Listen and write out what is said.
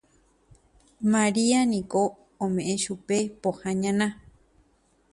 Maria niko ome'ẽ chupe pohã ñana